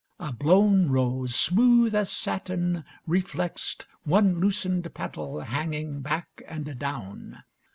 A blown rose, smooth as satin, reflexed, one loosened petal hanging back and down.